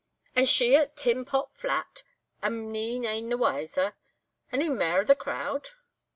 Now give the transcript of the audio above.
"'And she at Tin Pot Flat, and me nane the wiser! Any mair of the crowd?